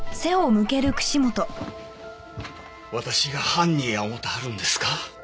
私が犯人や思てはるんですか？